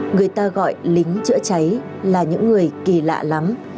người ta gọi lính chữa cháy là những người kỳ lạ lắm